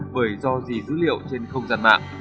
bởi do dì dữ liệu trên không gian mạng